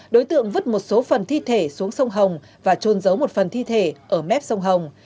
đối tượng vứt một số phần thi thể xuống sông hồng và trôn giấu một phần thi thể ở mép sông hồng